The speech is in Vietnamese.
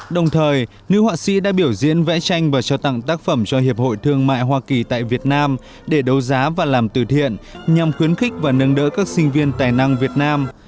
đồng thời nữ họa sĩ đã biểu diễn vẽ tranh và trao tặng tác phẩm cho hiệp hội thương mại hoa kỳ tại việt nam để đấu giá và làm từ thiện nhằm khuyến khích và nâng đỡ các sinh viên tài năng việt nam